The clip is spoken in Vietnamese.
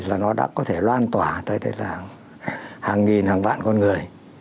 là nó đã có thể loan tỏa tới hàng nghìn hàng vạn con người